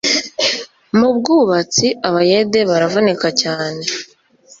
Mu bwubatsi, abayede baravunika cyane